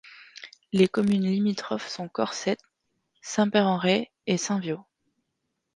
Les communes limitrophes sont Corsept, Saint-Père-en-Retz et Saint-Viaud.